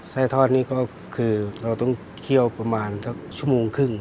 ไส้ทอดนี่ก็คือเราต้องเคี่ยวประมาณสักชั่วโมงครึ่ง